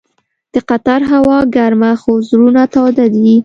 د قطر هوا ګرمه خو زړونه تاوده دي.